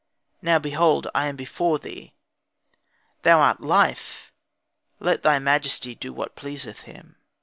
Now behold I am before thee; thou art life; let thy majesty do what pleaseth him."